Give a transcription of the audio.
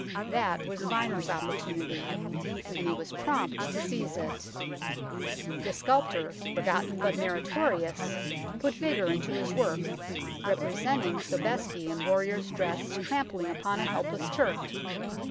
That was Vyner's opportunity, and he was prompt to seize it. The sculptor, forgotten but meritorious, put vigour into his work, representing Sobeisky in warrior's dress trampling upon a helpless Turk.